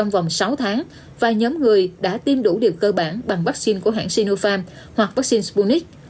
vòng sáu tháng vài nhóm người đã tiêm đủ liều cơ bản bằng vaccine của hãng sinopharm hoặc vaccine sputnik